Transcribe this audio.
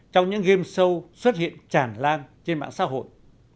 trong những game show xuất hiện tràn lan trên mạng xã hội